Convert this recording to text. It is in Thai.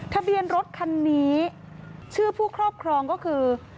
ทะเบียนรถคันนี้ชื่อผู้ครอบครองก็คือ